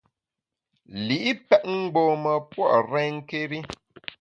Li’ pèt mgbom-a pua’ renké́ri.